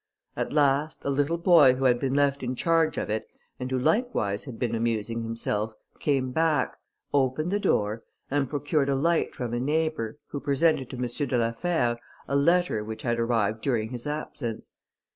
At last, a little boy who had been left in charge of it, and who likewise had been amusing himself, came back, opened the door, and procured a light from a neighbour, who presented to M. de la Fère a letter which had arrived during his absence.